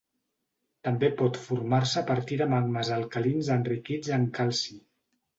També pot formar-se a partir de magmes alcalins enriquits en calci.